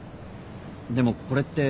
でもこれって。